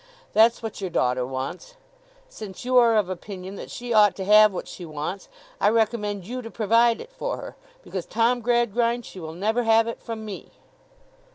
That's what your daughter wants. Since you are of opinion that she ought to have what she wants, I recommend you to provide it for her. Because, Tom Gradgrind, she will never have it from me.